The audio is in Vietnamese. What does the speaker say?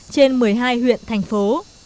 trên một mươi hai huyện thành phố